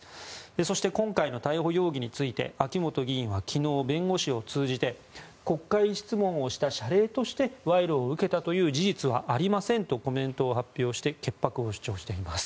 そして今回の逮捕容疑について秋本議員は昨日、弁護士を通じて国会質問をした謝礼として賄賂を受けたという事実はありませんとコメントを発表して潔白を主張しています。